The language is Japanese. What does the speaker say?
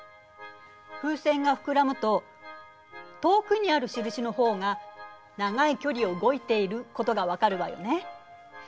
風船が膨らむと遠くにある印のほうが長い距離を動いていることが分かるわよね。